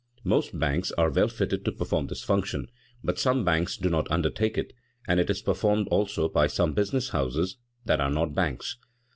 Most banks are well fitted to perform this function, but some banks do not undertake it, and it is performed also by some business houses that are not banks.